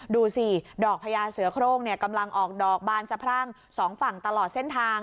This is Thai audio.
ดูสิดอกพญาเสือโครงกำลังออกดอกบานสะพรั่งสองฝั่งตลอดเส้นทาง